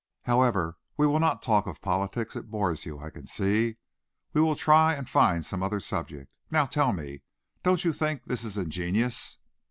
However, we will not talk of politics. It bores you, I can see. We will try and find some other subject. Now tell me, don't you think this is ingenious?"